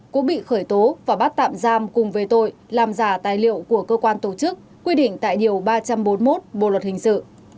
cũng bị khởi tố và bắt tạm giam cùng về tội làm giả tài liệu của cơ quan tổ chức quy định tại điều ba trăm bốn mươi một bộ luật hình sự